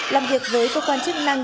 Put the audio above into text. làm việc với cơ quan chức năng